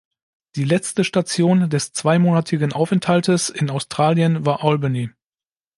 Die letzte Station des zweimonatigen Aufenthaltes in Australien war Albany.